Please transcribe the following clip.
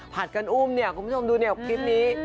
กันอุ้มเนี่ยคุณผู้ชมดูเนี่ยคลิปนี้